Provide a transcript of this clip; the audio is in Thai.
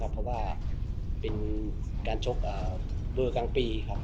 เพราะว่าเป็นการโชคเบอร์กลางปี